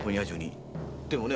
でもね